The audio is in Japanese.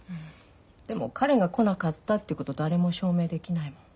でも彼が来なかったってこと誰も証明できないもん。